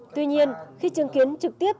tuy nhiên khi chứng kiến trực tiếp